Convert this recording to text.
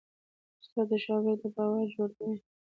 استاد د شاګرد باور جوړوي.